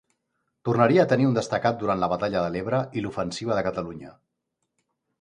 Tornaria a tenir un destacat durant la Batalla de l'Ebre i l'Ofensiva de Catalunya.